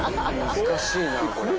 難しいなあこれ。